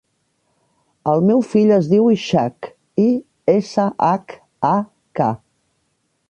El meu fill es diu Ishak: i, essa, hac, a, ca.